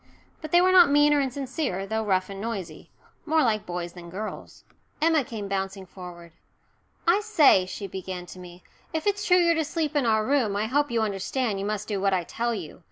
But they were not mean or insincere, though rough and noisy more like boys than girls. Emma came bouncing forward. "I say," she began to me, "if it's true you're to sleep in our room I hope you understand you must do what I tell you.